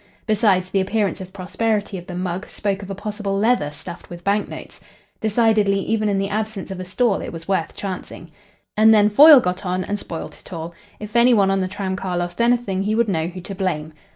Besides, the appearance of prosperity of the "mug" spoke of a possible "leather" stuffed with banknotes. Decidedly, even in the absence of a "stall," it was worth chancing. And then Foyle got on and spoilt it all. If any one on the tramcar lost anything he would know who to blame.